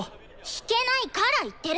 弾けないから言ってるの！